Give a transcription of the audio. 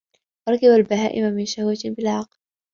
وَرَكَّبَ الْبَهَائِمَ مِنْ شَهْوَةٍ بِلَا عَقْلٍ